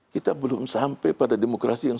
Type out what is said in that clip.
kita belum sampai pada demokrasi yang